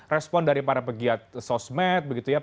respon dari para pegiat sosmed begitu ya